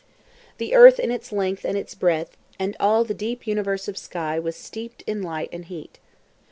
The earth in its length and its breadth and all the deep universe of sky was steeped in light and heat.